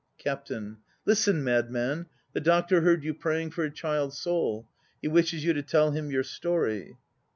CAPTAIN. Listen, Madman! The Doctor heard you praying for a child's soul. He wishes you to tell him your story.